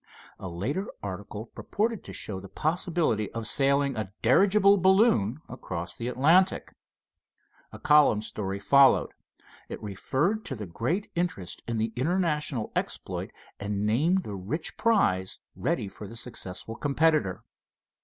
A later article purported to show the possibility of sailing a dirigible balloon across the Atlantic. A column story followed. It referred to the great interest in the international exploit, and named the rich prize ready for the successful competitor.